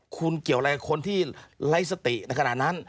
คุณเกี่ยวอะไรกับคนที่ไร้สติในขณะนั้น